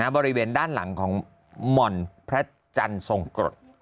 บริเวณด้านหลังของหม่อนพระจันทร์ทรงกรด